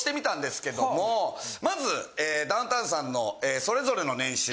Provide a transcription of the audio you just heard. まずダウンタウンさんのそれぞれの年収。